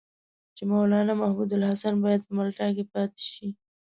چې مولنا محمودالحسن باید په مالټا کې پاتې شي.